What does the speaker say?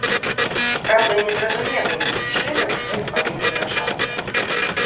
Праўда, незразумела, якім чынам гэта павінна вырашацца.